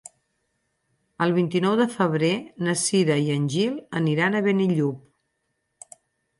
El vint-i-nou de febrer na Cira i en Gil aniran a Benillup.